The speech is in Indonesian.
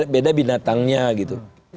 beda binatangnya gitu